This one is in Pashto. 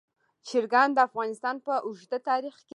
چرګان د افغانستان په اوږده تاریخ کې ذکر شوی دی.